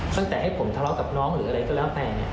ตั้งแต่ให้ผมทะเลาะกับน้องหรืออะไรก็แล้วแต่